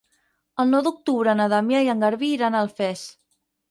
El nou d'octubre na Damià i en Garbí iran a Alfés.